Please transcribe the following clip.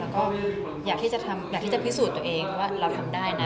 แล้วก็อยากที่จะพิสูจน์ตัวเองว่าเราทำได้นะ